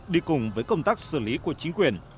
đi cùng với công tác xử lý của chính quyền